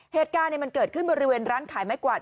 เหตุการณ์มันเกิดขึ้นบริเวณร้านขายไม้กวาด